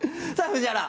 藤原：